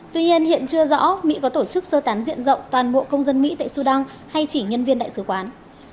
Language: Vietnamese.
tuy nhiên hiện chưa rõ mỹ có tổ chức sơ tán diện rộng toàn bộ công dân mỹ tại sudan hay chỉ nhân viên đại sứ quán